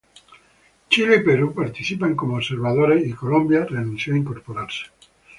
Chile y Perú participan como observadores y Colombia renunció a incorporarse.